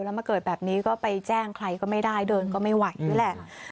แล้วมาเกิดแบบนี้ก็ไปแจ้งใครก็ไม่ได้เดินก็ไม่ไหวด้วยแหละ